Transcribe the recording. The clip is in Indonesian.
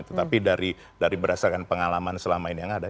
tetapi dari berdasarkan pengalaman selama ini yang ada